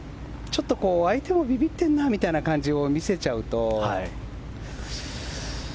ちょっと相手もビビッてるなみたいな感じを見せちゃうと。